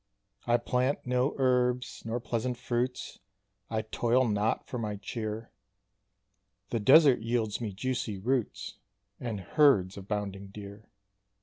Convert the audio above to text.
I plant no herbs nor pleasant fruits, I toil not for my cheer; The desert yields me juicy roots, And herds of bounding deer.